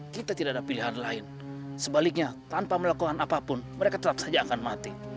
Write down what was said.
kita tidak ada pilihan lain sebaliknya tanpa melakukan apapun mereka tetap saja akan mati